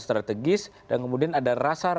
strategis dan kemudian ada rasa